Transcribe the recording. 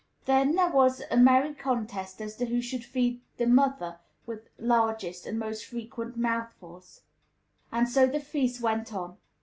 Then there was a merry contest as to who should feed the mother with largest and most frequent mouthfuls; and so the feast went on.